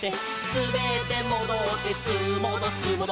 「すべってもどってすーもどすーもど」